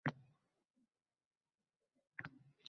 Oppoq ko‘ylakli to‘rt kishidan ajratib qo‘ydi.